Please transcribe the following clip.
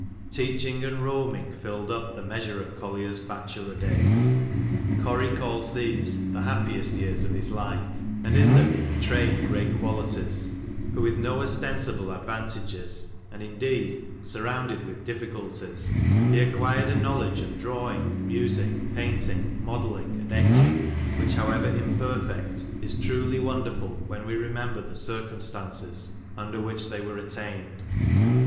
Teaching and roaming filled up the measure of Collier's bachelor days. Corry calls these the happiest years of his life, and in them he betrayed great qualities ; for with no ostensible advantages, and indeed surrounded with difficulties, he acquired a knowledge of draw ing, music, painting, modelling, and etching, which however imper fect is truly wonderful when we remember the circumstances under which they were attained.